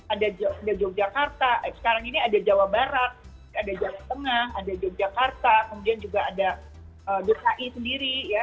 ada yogyakarta sekarang ini ada jawa barat ada jawa tengah ada yogyakarta kemudian juga ada dki sendiri ya